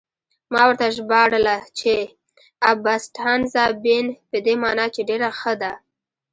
ما ورته ژباړله چې: 'Abbastanza bene' په دې مانا چې ډېره ښه ده.